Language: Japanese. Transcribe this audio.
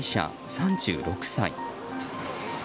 ３６歳。